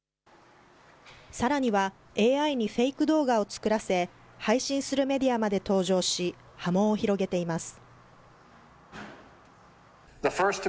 さらには、ＡＩにフェイク動画を作らせ、配信するメディアまで登場し、波紋を広げています。